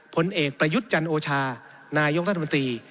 ผลเอกประยุทธ์จันทร์โอชานายยกต้านมันตรี